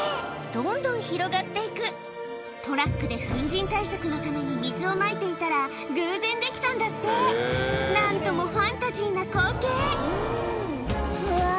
どんどん広がって行くトラックで粉じん対策のために水をまいていたら偶然できたんだって何ともファンタジーな光景うわ